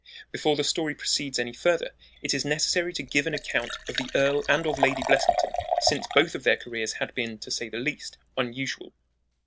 Before the story proceeds any further it is necessary to give an account of the Earl and of Lady Blessington, since both of their careers had been, to say the least, unusual.